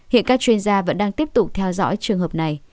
hiện các chuyên gia vẫn đang tiếp tục theo dõi trường hợp này